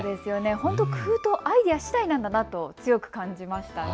本当、工夫とアイデアしだいなんだなと強く感じました。